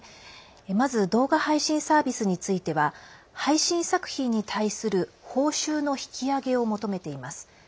まず動画配信サービスについては配信作品に対する報酬の引き上げを求めています。